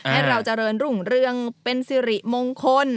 ให้เราเจริญรุ่งเรืองเป็นสิริมงคล